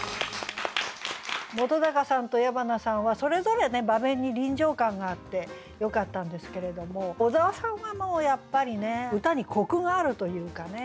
本さんと矢花さんはそれぞれ場面に臨場感があってよかったんですけれども小沢さんはやっぱり歌にコクがあるというかね。